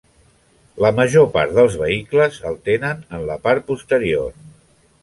La gran major part dels vehicles el tenen en la part posterior.